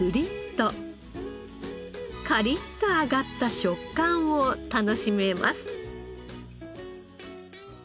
カリッと揚がった食感を楽しめます。